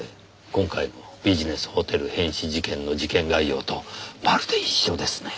今回のビジネスホテル変死事件の事件概要とまるで一緒ですね。